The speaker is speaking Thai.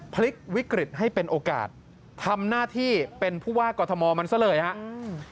พลิกวิกฤตให้เป็นโอกาสทำหน้าที่เป็นผู้ว่ากอทมมันซะเลยครับ